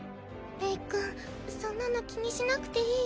レイ君そんなの気にしなくていいよ